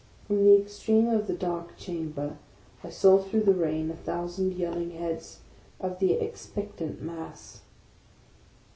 From the extreme of the dark chamber I saw through the rain a thou sand yelling heads of the expectant mass.